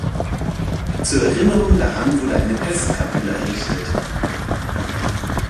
Zur Erinnerung daran wurde eine Pestkapelle errichtet.